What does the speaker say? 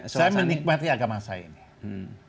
saya menikmati agama saya ini